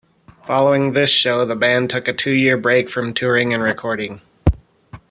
Following this show, the band took a two-year break from touring and recording.